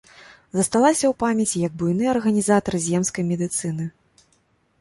Засталася ў памяці як буйны арганізатар земскай медыцыны.